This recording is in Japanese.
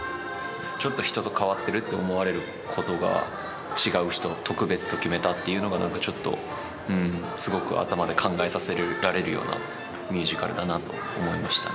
ちょっと人と変わってるって思われることが違う人特別と決めたっていうのが何かちょっとすごく頭で考えさせられるようなミュージカルだなと思いました。